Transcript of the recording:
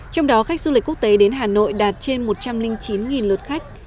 trong đó khách du lịch quốc tế đến hà nội đạt trên một trăm linh chín lượt khách